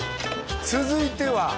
続いては？